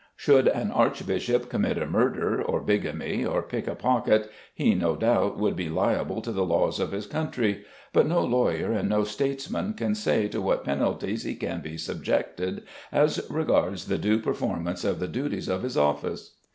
Should an archbishop commit a murder, or bigamy, or pick a pocket, he, no doubt, would be liable to the laws of his country; but no lawyer and no statesman can say to what penalties he can be subjected as regards the due performance of the duties of his office.